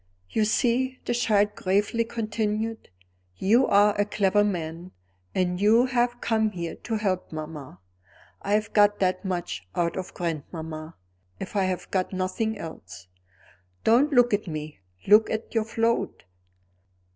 "You see," the child gravely continued, "you are a clever man; and you have come here to help mamma. I have got that much out of grandmamma, if I have got nothing else. Don't look at me; look at your float.